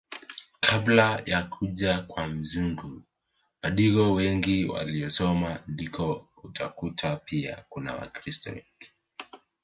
Kabla ya kuja kwa mzungu Wadigo wengi waliosoma ndiko utakuta pia kuna wakiristo wengi